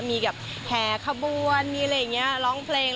มีแบบแห่ขบวนมีอะไรอย่างนี้ร้องเพลง